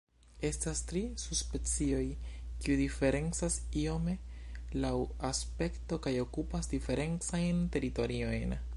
Estas tri subspecioj, kiu diferencas iome laŭ aspekto kaj okupas diferencajn teritoriojn.